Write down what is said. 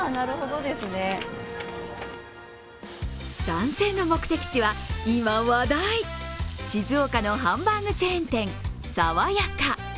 男性の目的地は今話題、静岡のハンバーグチェーン店さわやか。